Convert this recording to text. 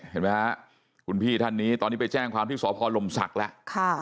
เห็นไหมฮะคุณพี่ท่านนี้ตอนนี้ไปแจ้งความที่สพลมศักดิ์แล้ว